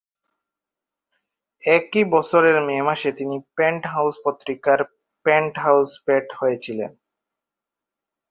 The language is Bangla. একই বছরের মে মাসে তিনি পেন্টহাউস পত্রিকার পেন্টহাউস পেট হয়েছিলেন।